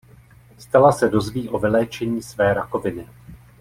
Stella se dozví o vyléčení své rakoviny.